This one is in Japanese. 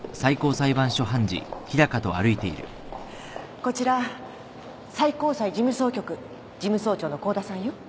こちら最高裁事務総局事務総長の香田さんよ。